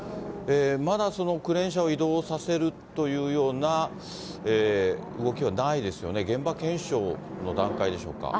まだクレーン車を移動させるというような動きはないですよね、現場検証の段階でしょうか。